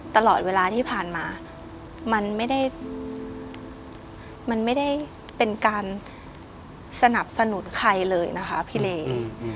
ตลอดเวลาที่ผ่านมามันไม่ได้มันไม่ได้เป็นการสนับสนุนใครเลยนะคะพี่เล